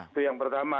itu yang pertama